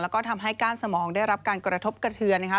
แล้วก็ทำให้ก้านสมองได้รับการกระทบกระเทือนนะคะ